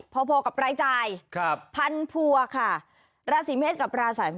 พอพอกับรายจ่ายครับพันผัวค่ะราศีเมษกับราศี